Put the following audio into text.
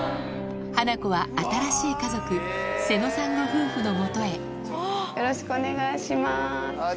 ハナコは新しい家族瀬野さんご夫婦のもとへよろしくお願いします。